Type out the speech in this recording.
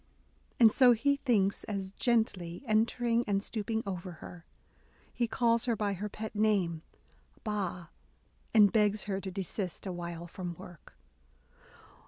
And so he thinks, as, gently entering and stooping over her, he calls her by her pet name Ba," and begs her to desist a while from work.